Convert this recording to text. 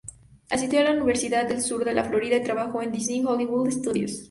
Asistió la Universidad del Sur de la Florida y trabajó en Disney's Hollywood Studios.